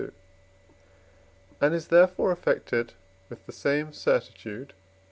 and is therefore affected with the same certitude (II.